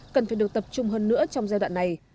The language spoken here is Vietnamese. cần phải được tập trung hơn nữa trong giai đoạn này